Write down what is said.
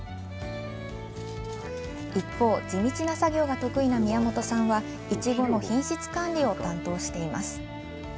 一方、地道な作業が得意な宮本さんはいちごの品質管理を担当しています。